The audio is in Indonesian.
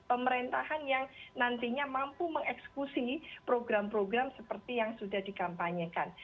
pemerintahan yang nantinya mampu mengeksekusi program program seperti yang sudah dikampanyekan